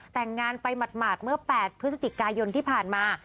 แต่งงานไปหมาดเมื่อ๘พฤศจิกายนที่ผ่านมา